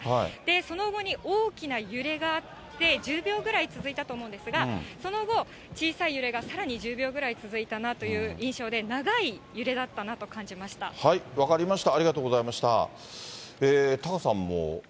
その後に大きな揺れがあって、１０秒ぐらい続いたと思うんですが、その後、小さい揺れがさらに１０秒ぐらい続いたなという印象で、分かりました。